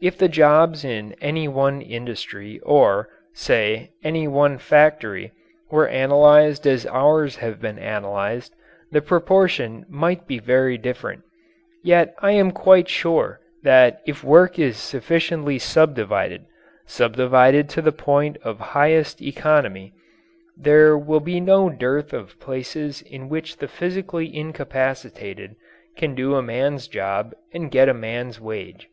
If the jobs in any one industry or, say, any one factory, were analyzed as ours have been analyzed, the proportion might be very different, yet I am quite sure that if work is sufficiently subdivided subdivided to the point of highest economy there will be no dearth of places in which the physically incapacitated can do a man's job and get a man's wage.